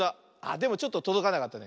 でもちょっととどかなかったね。